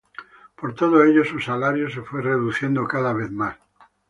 Por todo ello, su salario se fue reduciendo cada vez más.